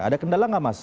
ada kendala nggak mas